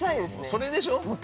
◆それでしょう？